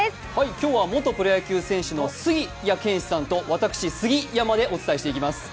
今日は元プロ野球選手の杉谷拳士さんと私、杉山でお伝えしていきます。